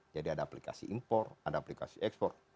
jadi ada aplikasi import ada aplikasi export